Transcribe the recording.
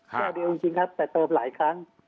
แก้วเดียวจริงครับแต่เติมหลายครั้ง